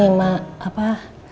ini mak apa